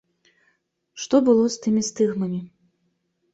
Што было з тымі стыгмамі?